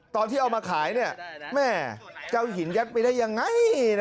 ตอนที่เอามาขายแม่เจ้าหินยัดไปได้ยังไง